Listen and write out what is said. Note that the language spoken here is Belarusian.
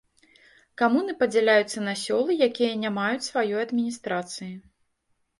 Камуны падзяляюцца на сёлы, якія не маюць сваёй адміністрацыі.